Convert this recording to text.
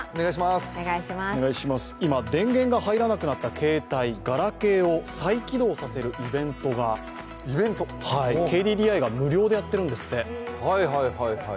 今、電源が入らなくなったケータイ、ガラケーを再起動させるイベントがＫＤＤＩが無料でやってるんですって。